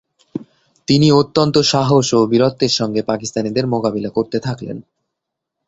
তিনি অত্যন্ত সাহস ও বীরত্বের সঙ্গে পাকিস্তানিদের মোকাবিলা করতে থাকলেন।